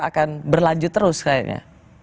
akan berlanjut terus kayaknya